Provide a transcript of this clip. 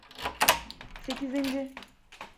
Sekizinci.